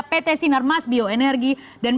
pt sinarmas bioenergi dan